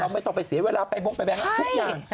ไม่ต้องไปเสียเวลาไปบงไปแบงรักทุกอย่าง